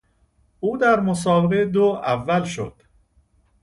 او در مسابقهی دو اول شد.